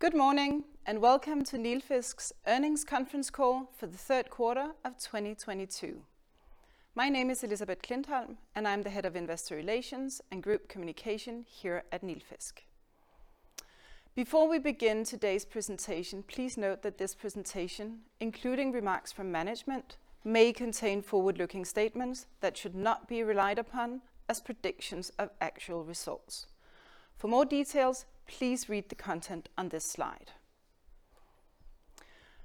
Good morning, and welcome to Nilfisk's earnings conference call for the third quarter of 2022. My name is Elisabeth Klintholm, and I'm the Head of Investor Relations and Group Communication here at Nilfisk. Before we begin today's presentation, please note that this presentation, including remarks from management, may contain forward-looking statements that should not be relied upon as predictions of actual results. For more details, please read the content on this slide.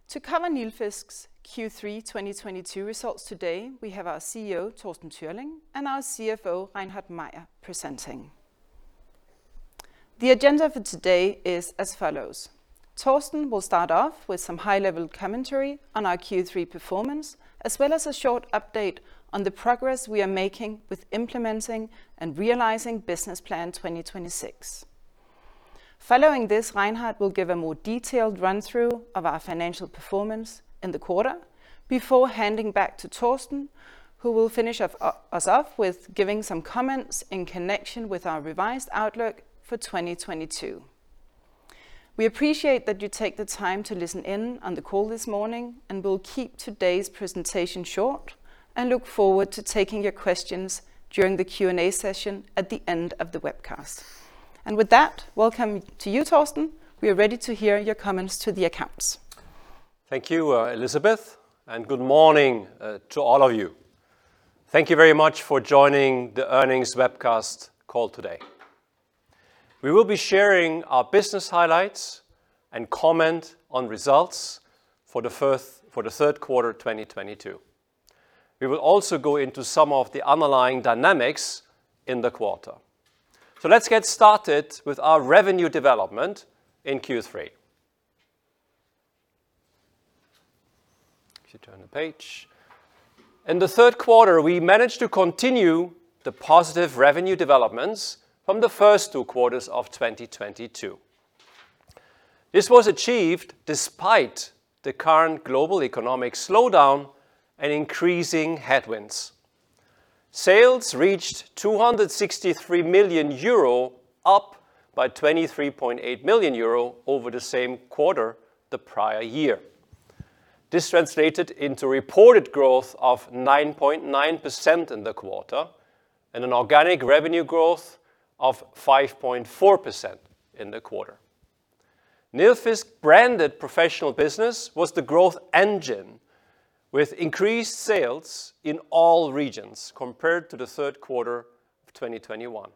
To cover Nilfisk's Q3 2022 results today, we have our CEO, Torsten Türling, and our CFO, Reinhard Mayer, presenting. The agenda for today is as follows. Torsten will start off with some high-level commentary on our Q3 performance, as well as a short update on the progress we are making with implementing and realizing Business Plan 2026. Following this, Reinhard will give a more detailed run-through of our financial performance in the quarter before handing back to Torsten, who will finish off, uh, us off with giving some comments in connection with our revised outlook for twenty twenty-two. We appreciate that you take the time to listen in on the call this morning, and we'll keep today's presentation short, and look forward to taking your questions during the Q&A session at the end of the webcast. And with that, welcome to you, Torsten. We are ready to hear your comments to the accounts. Thank you, Elisabeth, and good morning to all of you. Thank you very much for joining the earnings webcast call today. We will be sharing our business highlights and comment on results for the third quarter of 2022. We will also go into some of the underlying dynamics in the quarter. Let's get started with our revenue development in Q3. If you turn the page. In the third quarter, we managed to continue the positive revenue developments from the first two quarters of 2022. This was achieved despite the current global economic slowdown and increasing headwinds. Sales reached 263 million euro, up by 23.8 million euro over the same quarter the prior year. This translated into reported growth of 9.9% in the quarter and an organic revenue growth of 5.4% in the quarter. Nilfisk-branded professional business was the growth engine, with increased sales in all regions compared to the third quarter of 2021.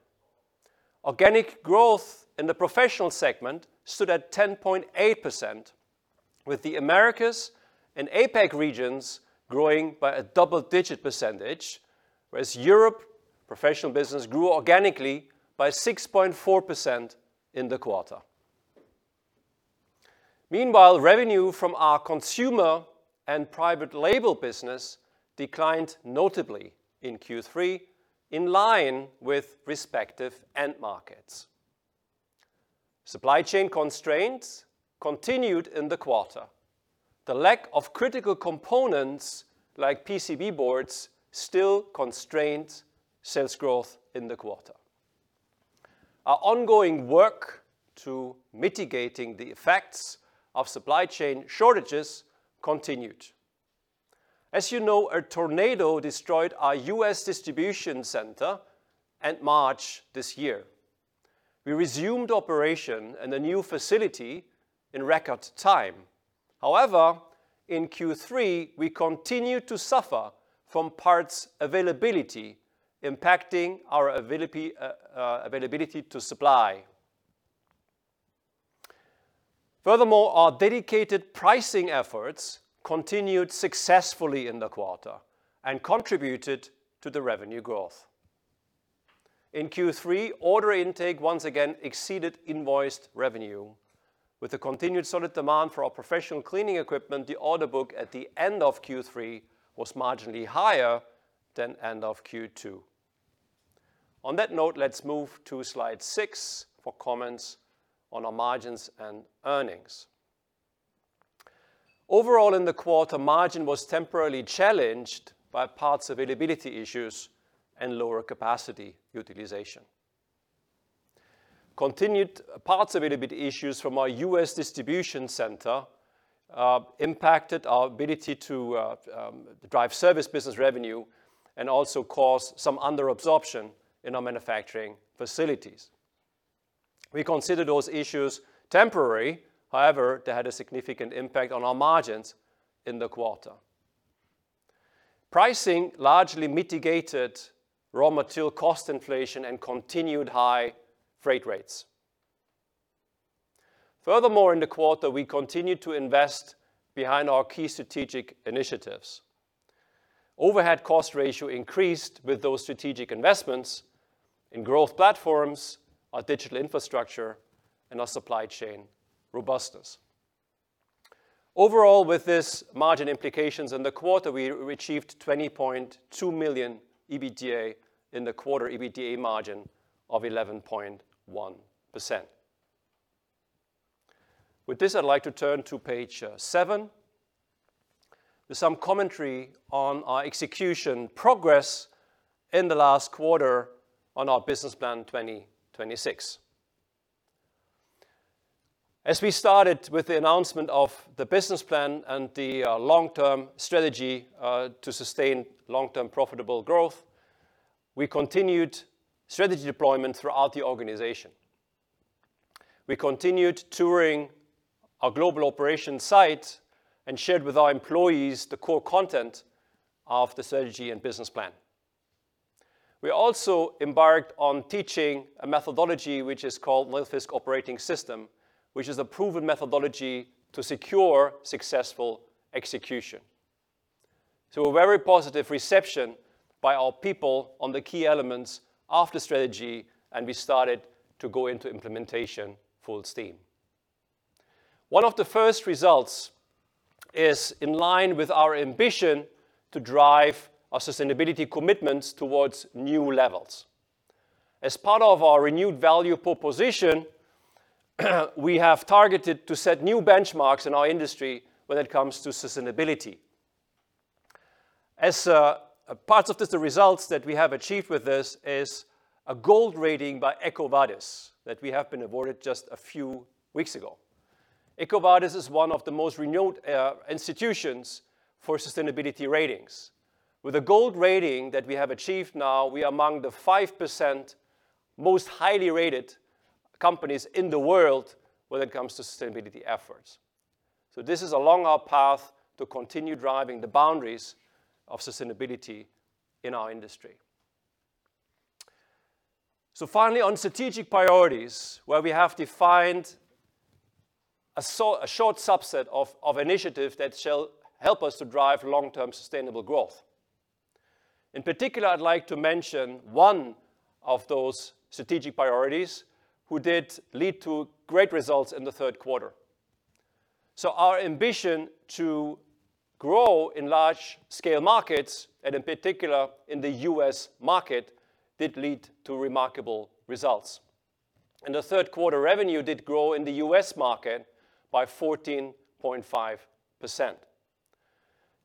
Organic growth in the professional segment stood at 10.8%, with the Americas and APAC regions growing by a double-digit percentage, whereas Europe professional business grew organically by 6.4% in the quarter. Meanwhile, revenue from our consumer and private label business declined notably in Q3, in line with respective end markets. Supply chain constraints continued in the quarter. The lack of critical components like PCB boards still constrained sales growth in the quarter. Our ongoing work to mitigating the effects of supply chain shortages continued. As you know, a tornado destroyed our U.S. distribution center in March this year. We resumed operation in the new facility in record time. However, in Q3, we continued to suffer from parts availability impacting our availability to supply. Furthermore, our dedicated pricing efforts continued successfully in the quarter and contributed to the revenue growth. In Q3, order intake once again exceeded invoiced revenue. With the continued solid demand for our professional cleaning equipment, the order book at the end of Q3 was marginally higher than end of Q2. On that note, let's move to slide six for comments on our margins and earnings. Overall, in the quarter, margin was temporarily challenged by parts availability issues and lower capacity utilization. Continued parts availability issues from our U.S. distribution center impacted our ability to drive service business revenue and also caused some under-absorption in our manufacturing facilities. We consider those issues temporary. However, they had a significant impact on our margins in the quarter. Pricing largely mitigated raw material cost inflation and continued high freight rates. Furthermore, in the quarter, we continued to invest behind our key strategic initiatives. Overhead cost ratio increased with those strategic investments in growth platforms, our digital infrastructure, and our supply chain robustness. Overall, with this margin implications in the quarter, we achieved 20.2 million EBITDA in the quarter, EBITDA margin of 11.1%. With this, I'd like to turn to page 7 with some commentary on our execution progress in the last quarter on our Business Plan 2026. As we started with the announcement of the Business Plan and the long-term strategy to sustain long-term profitable growth, we continued strategy deployment throughout the organization. We continued touring our global operation site and shared with our employees the core content of the strategy and Business Plan. We also embarked on teaching a methodology which is called Nilfisk operating system, which is a proven methodology to secure successful execution. A very positive reception by our people on the key elements of the strategy, and we started to go into implementation full steam. One of the first results is in line with our ambition to drive our sustainability commitments towards new levels. As part of our renewed value proposition, we have targeted to set new benchmarks in our industry when it comes to sustainability. As a part of the results that we have achieved with this is a gold rating by EcoVadis that we have been awarded just a few weeks ago. EcoVadis is one of the most renowned institutions for sustainability ratings. With a gold rating that we have achieved now, we are among the 5% most highly rated companies in the world when it comes to sustainability efforts. This is along our path to continue driving the boundaries of sustainability in our industry. Finally, on strategic priorities, where we have defined a short subset of initiative that shall help us to drive long-term sustainable growth. In particular, I'd like to mention one of those strategic priorities who did lead to great results in the third quarter. Our ambition to grow in large-scale markets, and in particular in the U.S. market, did lead to remarkable results. The third quarter revenue did grow in the U.S. market by 14.5%.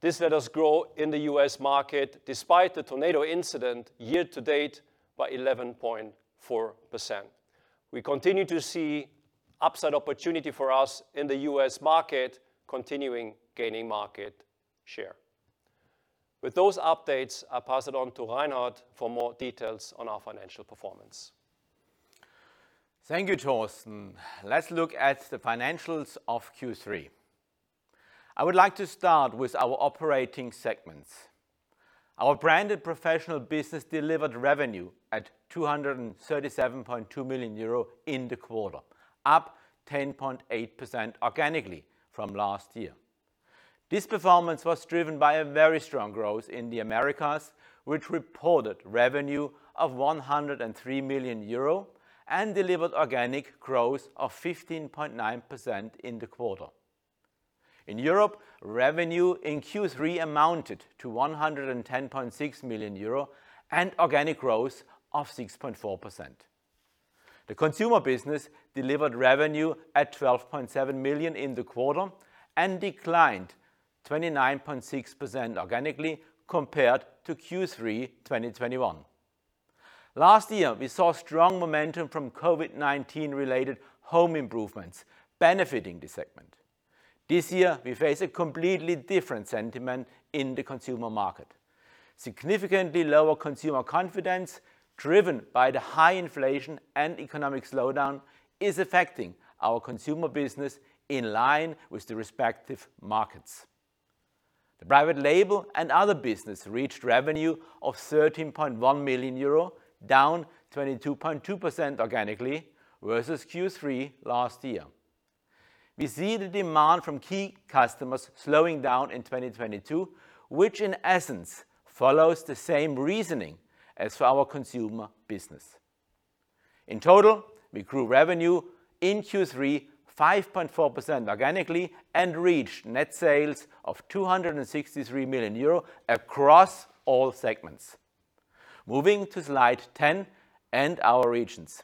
This let us grow in the U.S. market despite the tornado incident year-to-date by 11.4%. We continue to see upside opportunity for us in the U.S. market continuing gaining market share. With those updates, I pass it on to Reinhard for more details on our financial performance. Thank you, Torsten. Let's look at the financials of Q3. I would like to start with our operating segments. Our branded professional business delivered revenue at 237.2 million euro in the quarter, up 10.8% organically from last year. This performance was driven by a very strong growth in the Americas, which reported revenue of 103 million euro and delivered organic growth of 15.9% in the quarter. In Europe, revenue in Q3 amounted to 110.6 million euro and organic growth of 6.4%. The consumer business delivered revenue at 12.7 million in the quarter and declined 29.6% organically compared to Q3 2021. Last year, we saw strong momentum from COVID-19 related home improvements benefiting the segment. This year, we face a completely different sentiment in the consumer market. Significantly lower consumer confidence driven by the high inflation and economic slowdown is affecting our consumer business in line with the respective markets. The private label and other business reached revenue of 13.1 million euro, down 22.2% organically versus Q3 last year. We see the demand from key customers slowing down in 2022, which in essence follows the same reasoning as for our consumer business. In total, we grew revenue in Q3 5.4% organically and reached net sales of 263 million euro across all segments. Moving to slide 10 and our regions.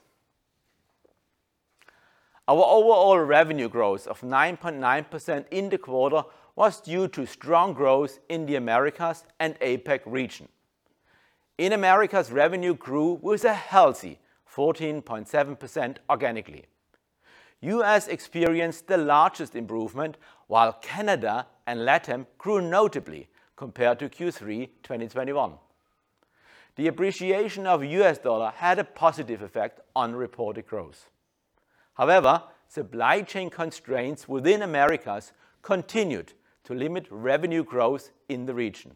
Our overall revenue growth of 9.9% in the quarter was due to strong growth in the Americas and APAC region. In Americas, revenue grew with a healthy 14.7% organically. U.S. experienced the largest improvement while Canada and LATAM grew notably compared to Q3 2021. The appreciation of U.S. dollar had a positive effect on reported growth. However, supply chain constraints within Americas continued to limit revenue growth in the region.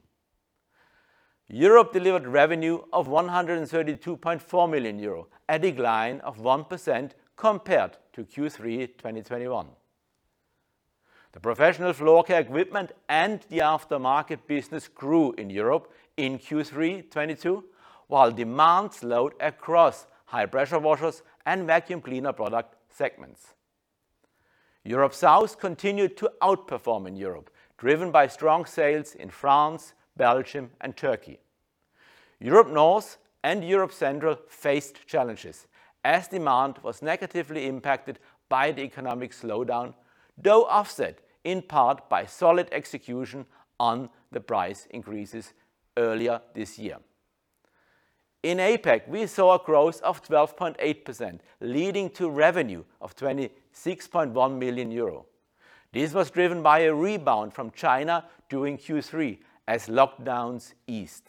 Europe delivered revenue of 132.4 million euro, a decline of 1% compared to Q3 2021. The professional floor care equipment and the aftermarket business grew in Europe in Q3 2022, while demand slowed across high-pressure washers and vacuum cleaner product segments. Europe South continued to outperform in Europe, driven by strong sales in France, Belgium and Turkey. Europe North and Europe Central faced challenges as demand was negatively impacted by the economic slowdown, though offset in part by solid execution on the price increases earlier this year. In APAC, we saw a growth of 12.8%, leading to revenue of 26.1 million euro. This was driven by a rebound from China during Q3 as lockdowns eased.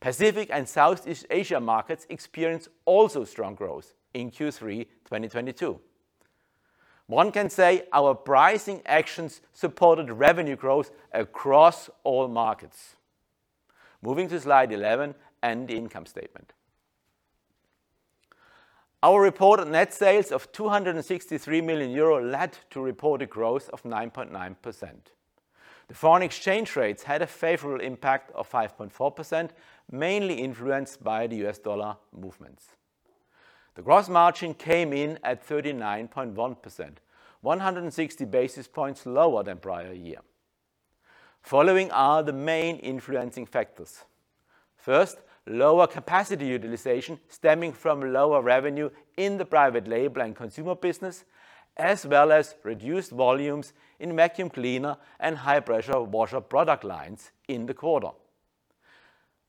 Pacific and Southeast Asia markets experience also strong growth in Q3 2022. One can say our pricing actions supported revenue growth across all markets. Moving to slide 11 and the income statement. Our reported net sales of 263 million euro led to reported growth of 9.9%. The foreign exchange rates had a favorable impact of 5.4%, mainly influenced by the U.S. dollar movements. The gross margin came in at 39.1%, 160 basis points lower than prior year. Following are the main influencing factors. First, lower capacity utilization stemming from lower revenue in the private label and consumer business, as well as reduced volumes in vacuum cleaner and high-pressure washer product lines in the quarter.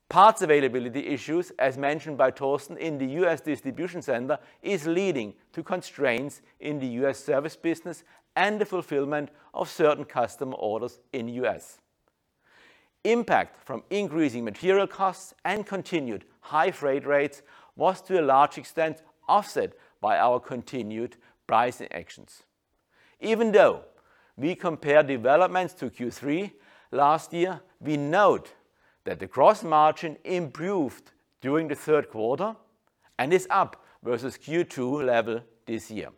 Parts availability issues, as mentioned by Torsten in the U.S. distribution center, is leading to constraints in the U.S. service business and the fulfillment of certain customer orders in the U.S. Impact from increasing material costs and continued high freight rates was, to a large extent, offset by our continued pricing actions. Even though we compare developments to Q3 last year, we note that the gross margin improved during the third quarter and is up versus Q2 level this year.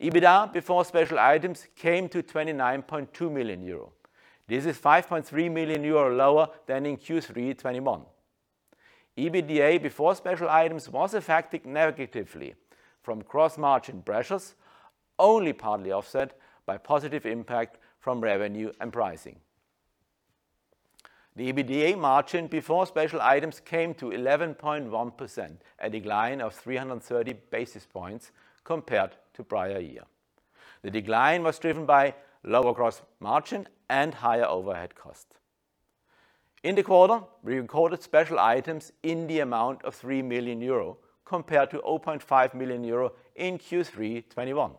EBITDA before special items came to 29.2 million euro. This is 5.3 million euro lower than in Q3 2021. EBITDA before special items was affected negatively from gross margin pressures, only partly offset by positive impact from revenue and pricing. The EBITDA margin before special items came to 11.1%, a decline of 330 basis points compared to prior year. The decline was driven by lower gross margin and higher overhead costs. In the quarter, we recorded special items in the amount of 3 million euro compared to 0.5 million euro in Q3 2021.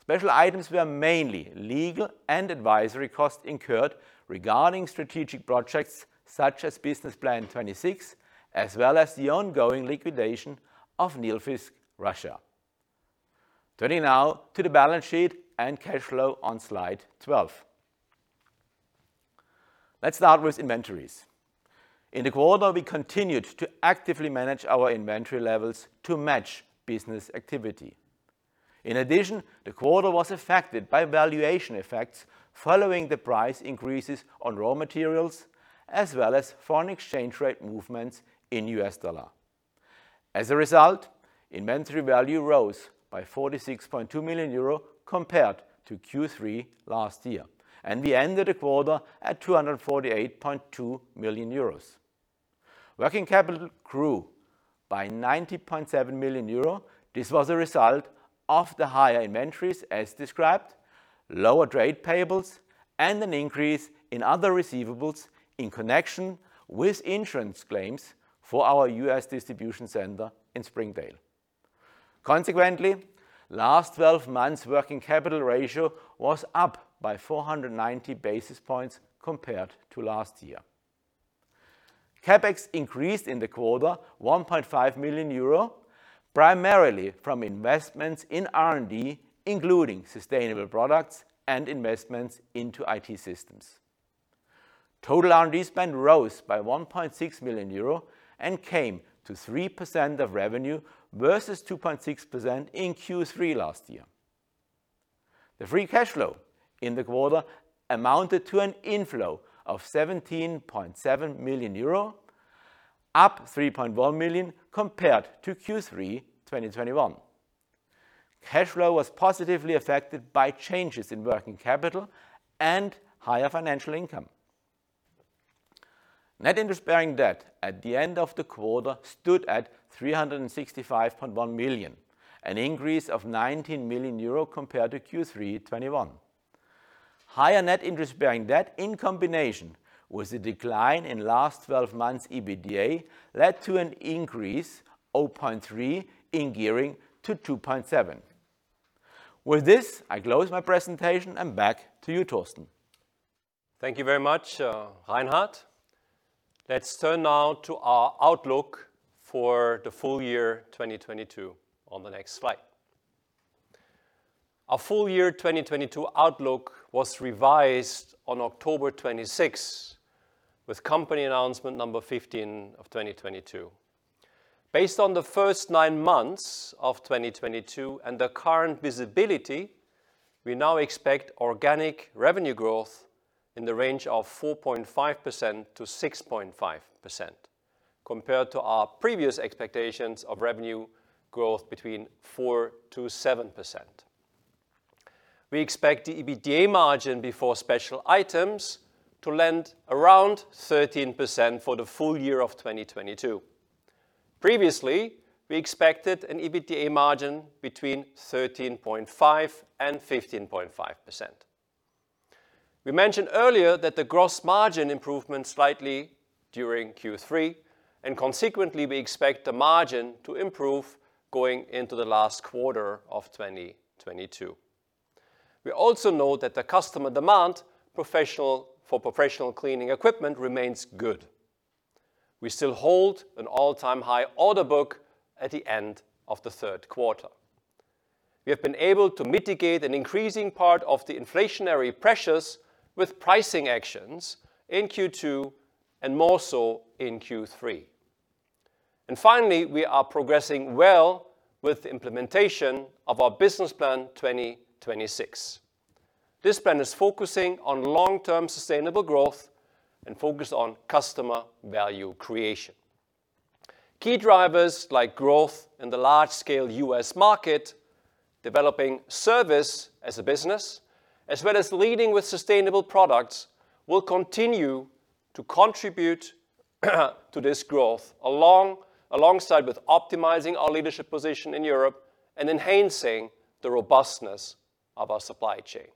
Special items were mainly legal and advisory costs incurred regarding strategic projects such as Business Plan 2026, as well as the ongoing liquidation of Nilfisk Russia. Turning now to the balance sheet and cash flow on slide 12. Let's start with inventories. In the quarter, we continued to actively manage our inventory levels to match business activity. In addition, the quarter was affected by valuation effects following the price increases on raw materials as well as foreign exchange rate movements in U.S. dollar. As a result, inventory value rose by 46.2 million euro compared to Q3 last year, and we ended the quarter at 248.2 million euros. Working capital grew by 90.7 million euro. This was a result of the higher inventories as described, lower trade payables, and an increase in other receivables in connection with insurance claims for our U.S. distribution center in Springdale. Consequently, last 12 months working capital ratio was up by 490 basis points compared to last year. CapEx increased in the quarter 1.5 million euro, primarily from investments in R&D, including sustainable products and investments into I.T. systems. Total R&D spend rose by 1.6 million euro and came to 3% of revenue versus 2.6% in Q3 last year. The free cash flow in the quarter amounted to an inflow of 17.7 million euro, up 3.1 million compared to Q3 2021. Cash flow was positively affected by changes in working capital and higher financial income. Net interest-bearing debt at the end of the quarter stood at 365.1 million, an increase of 19 million euro compared to Q3 2021. Higher net interest-bearing debt in combination with the decline in last 12 months EBITDA led to an increase 0.3 in gearing to 2.7. With this, I close my presentation, and back to you, Torsten. Thank you very much, Reinhard. Let's turn now to our outlook for the full year 2022 on the next slide. Our full year 2022 outlook was revised on October 26 with company announcement number 15 of 2022. Based on the first nine months of 2022 and the current visibility, we now expect organic revenue growth in the range of 4.5%-6.5% compared to our previous expectations of revenue growth between 4%-7%. We expect the EBITDA margin before special items to land around 13% for the full year of 2022. Previously, we expected an EBITDA margin between 13.5% and 15.5%. We mentioned earlier that the gross margin improved slightly during Q3, and consequently, we expect the margin to improve going into the last quarter of 2022. We also know that the customer demand for professional cleaning equipment remains good. We still hold an all-time high order book at the end of the third quarter. We have been able to mitigate an increasing part of the inflationary pressures with pricing actions in Q2 and more so in Q3. Finally, we are progressing well with the implementation of our Business Plan 2026. This plan is focusing on long-term sustainable growth and focused on customer value creation. Key drivers like growth in the large-scale U.S. market, developing service as a business, as well as leading with sustainable products, will continue to contribute to this growth alongside with optimizing our leadership position in Europe and enhancing the robustness of our supply chain.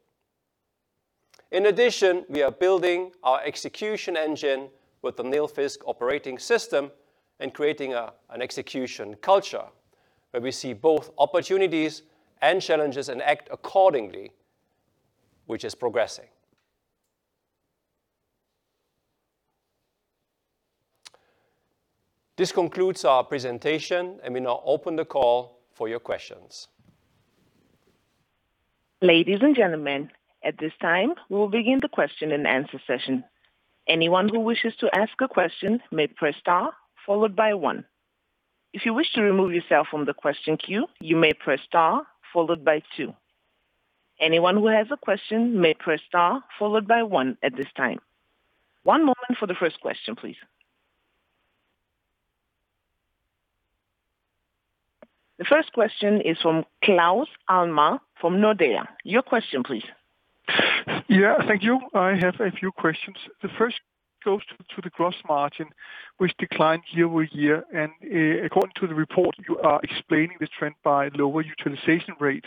In addition, we are building our execution engine with the Nilfisk operating system and creating an execution culture where we see both opportunities and challenges and act accordingly, which is progressing. This concludes our presentation. Let me now open the call for your questions. Ladies and gentlemen, at this time, we will begin the question and answer session. Anyone who wishes to ask a question may press * followed by one. If you wish to remove yourself from the question queue, you may press * followed by two. Anyone who has a question may press * followed by one at this time. One moment for the first question, please. The first question is from Claus Almer from Nordea. Your question, please. Yeah, thank you. I have a few questions. The first goes to the gross margin, which declined year-over-year. According to the report, you are explaining this trend by lower utilization rate,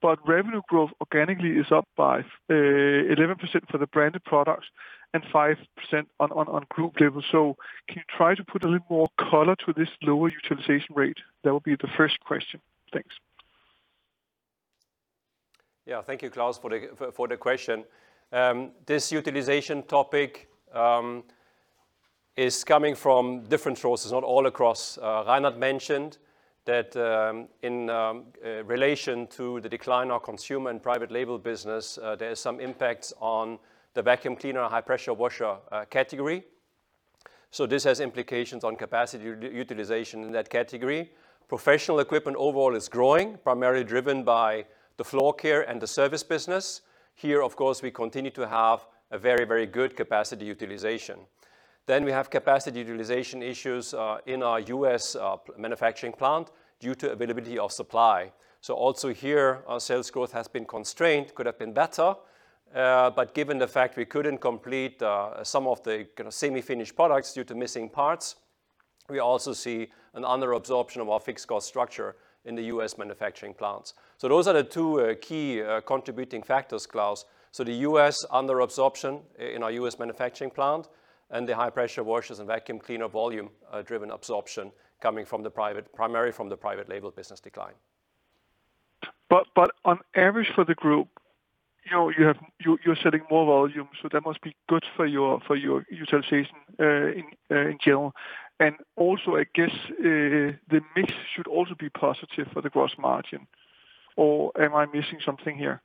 but revenue growth organically is up by 11% for the branded products and 5% on group level. Can you try to put a little more color to this lower utilization rate? That will be the first question. Thanks. Yeah. Thank you, Claus, for the question. This utilization topic is coming from different sources, not all across. Reinhard mentioned that in relation to the decline of consumer and private label business, there is some impacts on the vacuum cleaner high-pressure washer category. This has implications on capacity utilization in that category. Professional equipment overall is growing, primarily driven by the floor care and the service business. Here, of course, we continue to have a very, very good capacity utilization. We have capacity utilization issues in our U.S. manufacturing plant due to availability of supply. Also here, our sales growth has been constrained, could have been better, but given the fact we couldn't complete some of the kind of semi-finished products due to missing parts. We also see an under-absorption of our fixed-cost structure in the U.S. manufacturing plants. Those are the two key contributing factors, Claus. The U.S. under-absorption in our U.S. manufacturing plant and the high-pressure washers and vacuum cleaner volume-driven absorption coming primarily from the private-label business decline. On average for the group, you know, you're selling more volume, so that must be good for your utilization in general. Also, I guess the mix should also be positive for the gross margin or am I missing something here?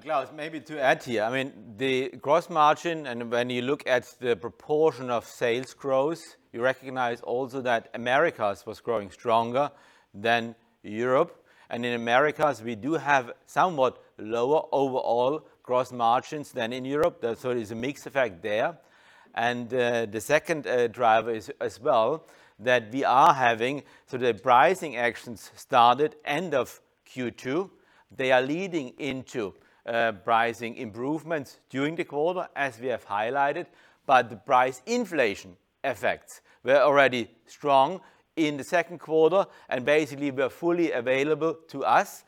Claus, maybe to add here, I mean, the gross margin and when you look at the proportion of sales growth, you recognize also that Americas was growing stronger than Europe. In Americas, we do have somewhat lower overall gross margins than in Europe. There's a mix effect there. The second driver is, as well, that the pricing actions started end of Q2. They are leading into pricing improvements during the quarter, as we have highlighted. The price inflation effects were already strong in the second quarter, and basically were fully available to us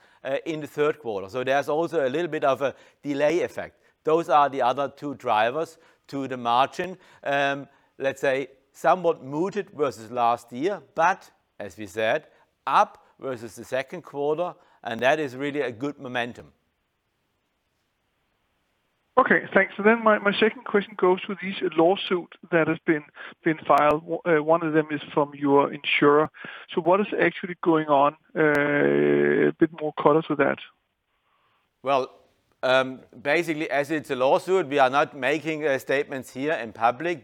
in the third quarter. There's also a little bit of a delay effect. Those are the other two drivers to the margin. Let's say somewhat muted versus last year, but as we said, up versus the second quarter, and that is really a good momentum. Okay, thanks. My second question goes to these lawsuits that has been filed. One of them is from your insurer. What is actually going on? A bit more color to that. Well, basically as it's a lawsuit, we are not making statements here in public.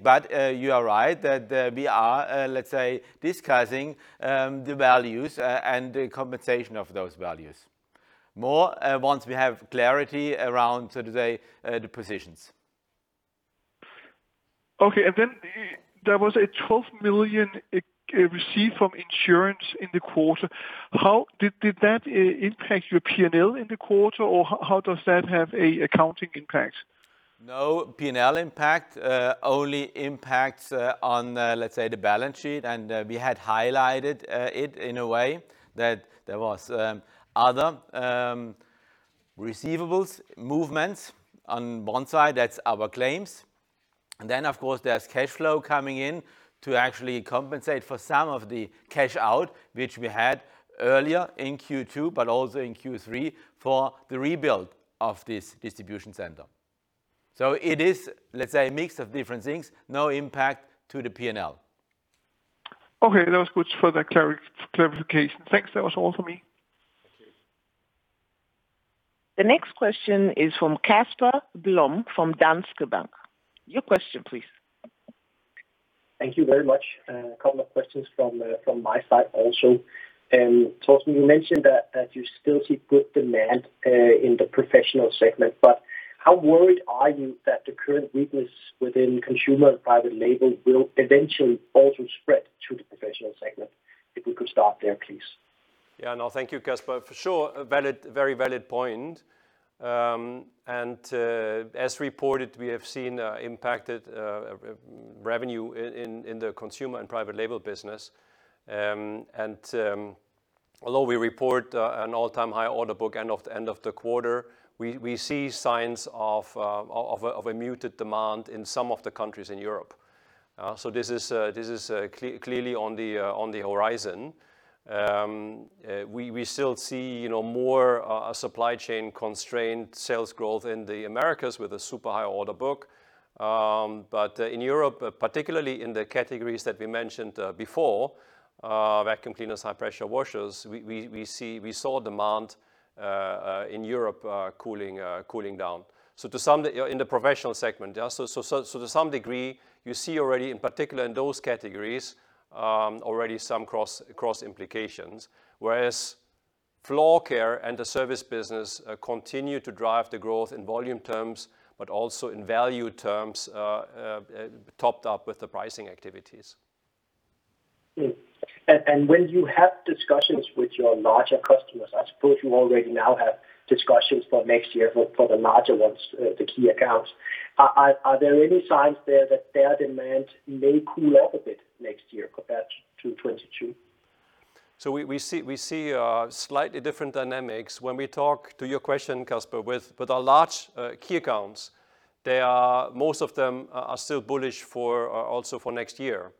You are right that we are, let's say, discussing the values and the compensation of those values. More once we have clarity around, so to say, the positions. Okay. There was a 12 million received from insurance in the quarter. Did that impact your P&L in the quarter or how does that have an accounting impact? No P&L impact. Only impacts on, let's say, the balance sheet. We had highlighted it in a way that there was other receivables movements on one side. That's our claims. Of course, there's cash flow coming in to actually compensate for some of the cash out, which we had earlier in Q2, but also in Q3 for the rebuild of this distribution center. It is, let's say, a mix of different things. No impact to the P&L. Okay. That was good for the clarification. Thanks. That was all for me. Okay. The next question is from Casper Blom from Danske Bank. Your question, please. Thank you very much. A couple of questions from my side also. Torsten, you mentioned that you still see good demand in the professional segment. How worried are you that the current weakness within consumer and private label will eventually also spread to the professional segment? If we could start there, please. Yeah. No. Thank you, Casper. For sure, a very valid point. As reported, we have seen impacted revenue in the consumer and private label business. Although we report an all-time high order book end of the quarter, we see signs of a muted demand in some of the countries in Europe. This is clearly on the horizon. We still see, you know, more supply chain constrained sales growth in the Americas with a super high order book. In Europe, particularly in the categories that we mentioned before, vacuum cleaners, high pressure washers, we saw demand in Europe cooling down. In the professional segment, yeah. To some degree, you see already in particular in those categories already some cross implications. Whereas floor care and the service business continue to drive the growth in volume terms, but also in value terms, topped up with the pricing activities. When you have discussions with your larger customers, I suppose you already now have discussions for next year for the larger ones, the key accounts. Are there any signs there that their demand may cool off a bit next year compared to 2022? We see slightly different dynamics when we talk, to your question, Casper, with our large key accounts. Most of them are still bullish also for next year.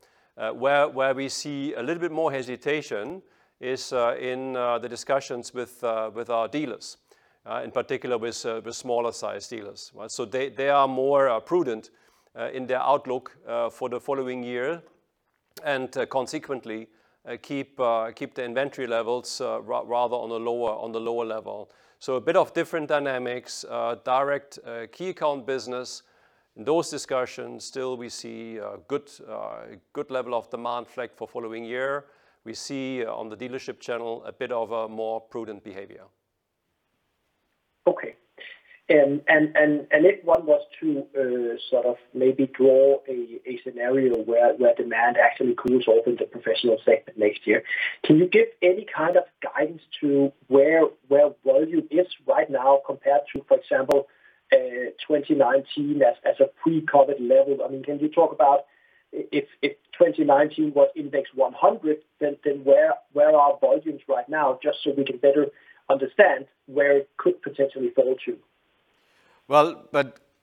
Where we see a little bit more hesitation is in the discussions with our dealers, in particular with smaller sized dealers. Right? They are more prudent in their outlook for the following year, and consequently keep the inventory levels rather on the lower level. A bit of different dynamics. Direct key account business, in those discussions still we see a good level of demand like for following year. We see on the dealership channel a bit of a more prudent behavior. Okay. If one was to sort of maybe draw a scenario where demand actually cools off in the professional segment next year, can you give any kind of guidance to where volume is right now compared to, for example, 2019 as a pre-COVID level? I mean, can you talk about if 2019 was index 100, where are volumes right now? Just so we can better understand where it could potentially fall to. Well,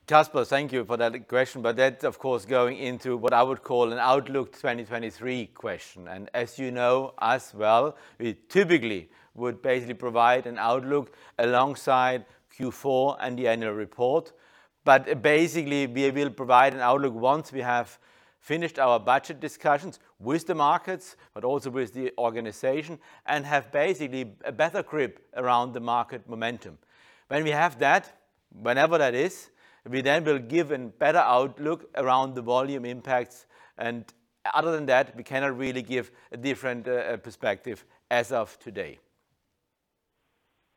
Casper, thank you for that question, but that of course going into what I would call an outlook 2023 question. As you know as well, we typically would basically provide an outlook alongside Q4 and the annual report. Basically, we will provide an outlook once we have finished our budget discussions with the markets, but also with the organization, and have basically a better grip around the market momentum. When we have that, whenever that is, we then will give an better outlook around the volume impacts. Other than that, we cannot really give a different perspective as of today.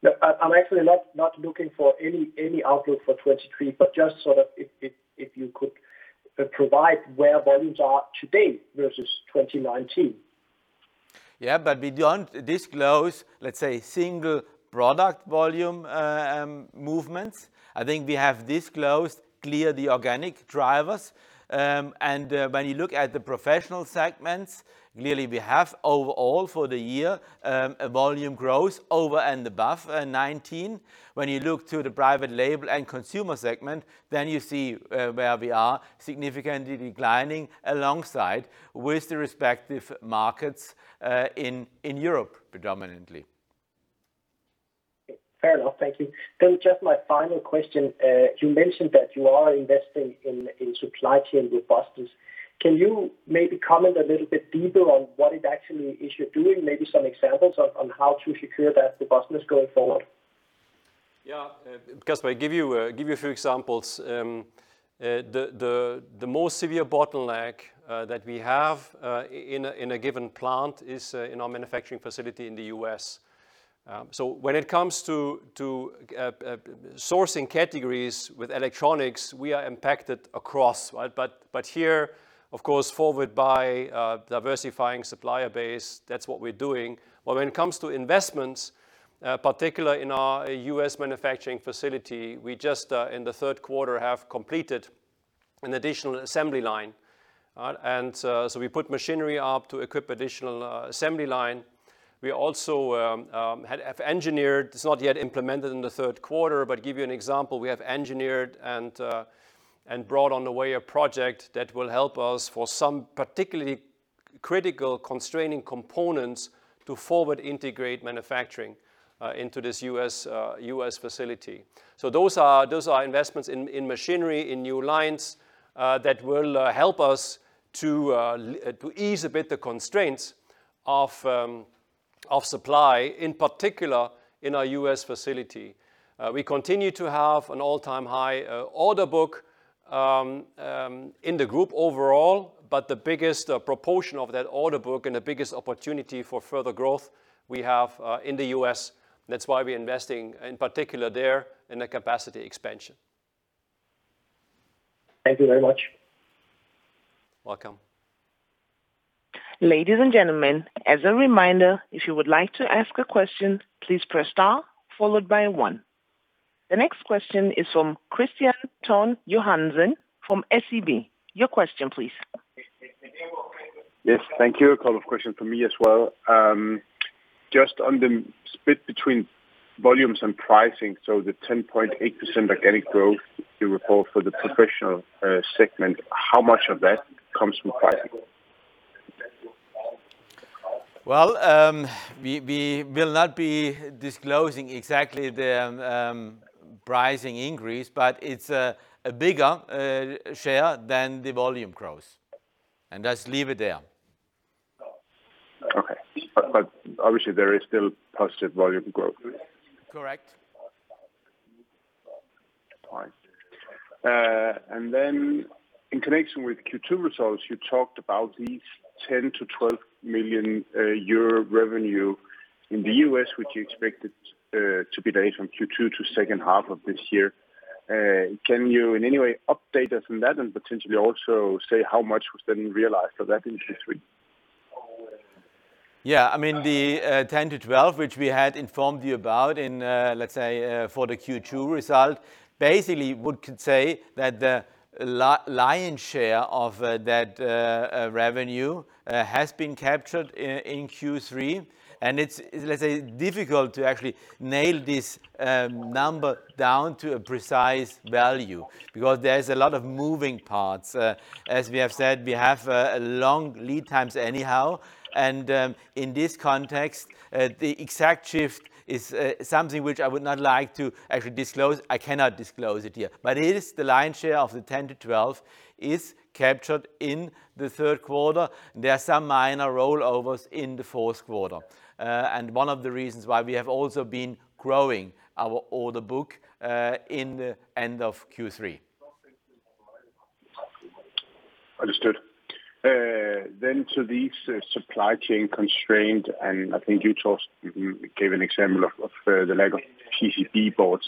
No, I'm actually not looking for any outlook for 2023, but just sort of if you could provide where volumes are today versus 2019. Yeah. We don't disclose, let's say, single product volume movements. I think we have disclosed clear the organic drivers. When you look at the professional segments, clearly we have overall for the year a volume growth over and above 2019. When you look to the private label and consumer segment, then you see where we are significantly declining alongside with the respective markets in Europe predominantly. Fair enough. Thank you. Just my final question. You mentioned that you are investing in supply chain robustness. Can you maybe comment a little bit deeper on what it actually is you're doing? Maybe some examples on how to secure that robustness going forward? Yeah. Casper, I give you a few examples. The most severe bottleneck that we have in a given plant is in our manufacturing facility in the U.S. When it comes to sourcing categories with electronics, we are impacted across, right? Here, of course, forward by diversifying supplier base, that's what we're doing. When it comes to investments, particular in our U.S. manufacturing facility, we just in the third quarter have completed an additional assembly line, all right? We put machinery up to equip additional assembly line. We also have engineered, it's not yet implemented in the third quarter, but give you an example, we have engineered and brought on the way a project that will help us for some particularly critical constraining components to forward integrate manufacturing into this U.S. facility. Those are investments in machinery, in new lines that will help us to ease a bit the constraints of supply, in particular in our U.S. facility. We continue to have an all-time high order book in the group overall, but the biggest proportion of that order book and the biggest opportunity for further growth we have in the U.S. That's why we're investing in particular there in the capacity expansion. Thank you very much. Welcome. Ladies and gentlemen, as a reminder, if you would like to ask a question, please press * followed by one. The next question is from Kristian Tornøe Johansen from SEB. Your question, please. Yes, thank you. A couple of question from me as well. Just on the split between volumes and pricing, the 10.8% organic growth you report for the professional segment, how much of that comes from pricing? Well, we will not be disclosing exactly the pricing increase, but it's a bigger share than the volume growth. Let's leave it there. Okay. Obviously there is still positive volume growth. Correct. All right. In connection with Q2 results, you talked about these 10 million-12 million euro revenue in the U.S., which you expected to be late from Q2 to second half of this year. Can you in any way update us on that and potentially also say how much was then realized of that in Q3? Yeah. I mean, the 10-12, which we had informed you about in, let's say, for the Q2 result, basically one could say that the lion's share of that revenue has been captured in Q3. It's, let's say, difficult to actually nail this number down to a precise value because there's a lot of moving parts. As we have said, we have long lead times anyhow. In this context, the exact shift is something which I would not like to actually disclose. I cannot disclose it here. It is the lion's share of the 10-12 is captured in the third quarter. There are some minor rollovers in the fourth quarter. One of the reasons why we have also been growing our order book in the end of Q3. Understood. To these supply chain constraint, I think you talked, you gave an example of the lack of PCB boards.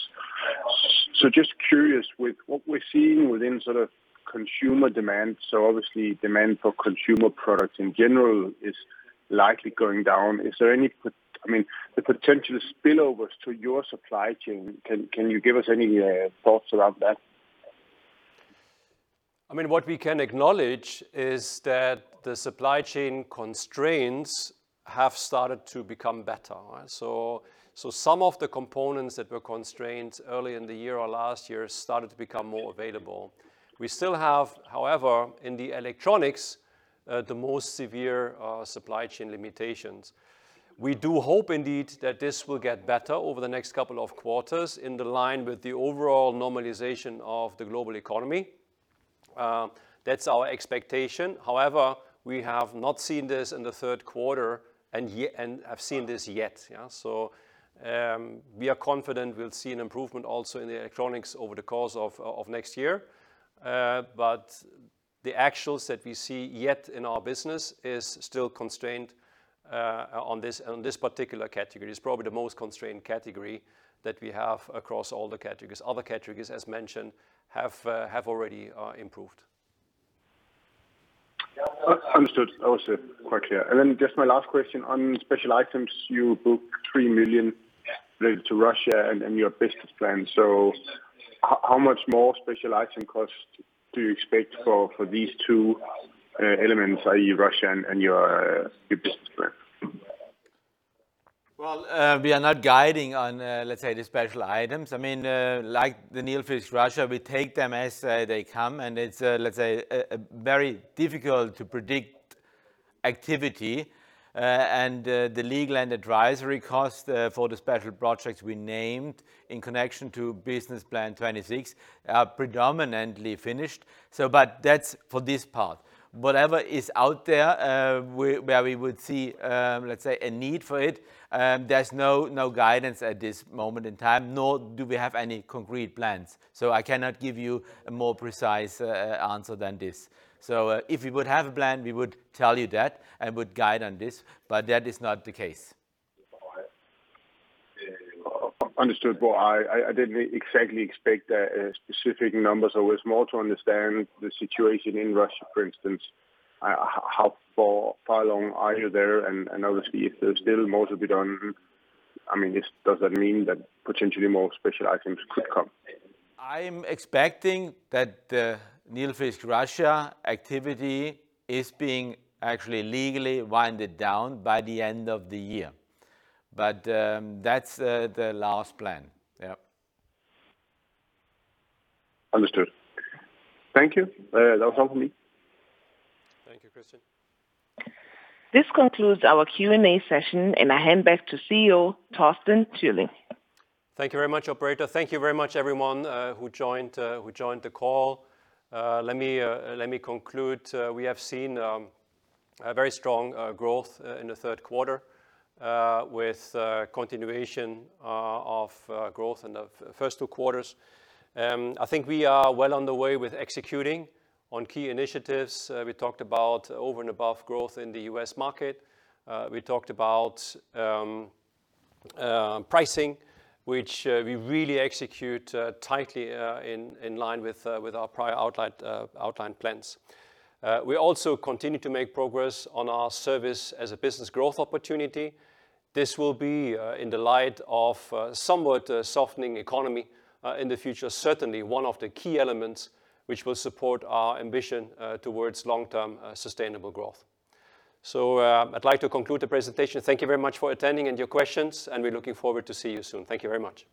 Just curious with what we're seeing within sort of consumer demand. Obviously demand for consumer products in general is likely going down. Is there any, I mean, the potential spillovers to your supply chain? Can you give us any thoughts around that? I mean, what we can acknowledge is that the supply chain constraints have started to become better. Some of the components that were constrained early in the year or last year started to become more available. We still have, however, in the electronics, the most severe supply chain limitations. We do hope indeed that this will get better over the next couple of quarters in the line with the overall normalization of the global economy. That's our expectation. However, we have not seen this in the third quarter and have seen this yet. Yeah. We are confident we'll see an improvement also in the electronics over the course of next year. The actuals that we see yet in our business is still constrained on this particular category. It's probably the most constrained category that we have across all the categories. Other categories, as mentioned, have already improved. Understood. Quite clear. Just my last question on special items. You booked 3 million related to Russia and your Business Plan. How much more special item costs do you expect for these two elements, i.e., Russia and your Business Plan? Well, we are not guiding on, let's say, the special items. I mean, like the Nilfisk Russia, we take them as they come, and it's, let's say, very difficult to predict activity. The legal and advisory cost for the special projects we named in connection to Business Plan 2026 are predominantly finished. That's for this part. Whatever is out there, where we would see, let's say, a need for it, there's no guidance at this moment in time, nor do we have any concrete plans. I cannot give you a more precise answer than this. If we would have a plan, we would tell you that and would guide on this, but that is not the case. Understood. Well, I didn't exactly expect a specific number. It's more to understand the situation in Russia, for instance. How far along are you there? Obviously if there's still more to be done, I mean, this doesn't mean that potentially more special items could come. I'm expecting that the Nilfisk Russia activity is being actually legally winded down by the end of the year. That's the last plan. Yep. Understood. Thank you. That was all for me. Thank you, Kristian. This concludes our Q&A session, and I hand back to CEO Torsten Türling. Thank you very much, operator. Thank you very much everyone who joined the call. Let me conclude. We have seen a very strong growth in the third quarter with continuation of growth in the first two quarters. I think we are well on the way with executing on key initiatives. We talked about over and above growth in the U.S. market. We talked about pricing, which we really execute tightly in line with our prior outlined plans. We also continue to make progress on our service as a business growth opportunity. This will be, in the light of somewhat softening economy in the future, certainly one of the key elements which will support our ambition towards long-term sustainable growth. I'd like to conclude the presentation. Thank you very much for attending and your questions, and we're looking forward to see you soon. Thank you very much.